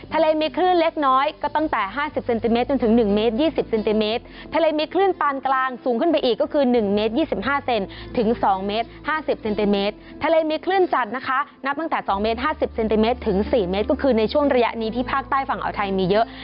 ทะเลมีคลื่นเล็กน้อยก็ตั้งแต่๕๐เซนติเมตรจนถึง๑เมตร๒๐เซนติเมตรทะเลมีคลื่นปานกลางสูงขึ้นไปอีกก็คือ๑เมตร๒๕เซนถึง๒เมตร๕๐เซนติเมตรทะเลมีคลื่นจัดนะคะนับตั้งแต่๒เมตร๕๐เซนติเมตรถึง๔เมตรก็คือในช่วงระยะนี้ที่ภาคใต้ฝั่งอ่าวไทยมีเยอะ